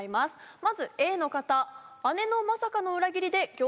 まずＡの方。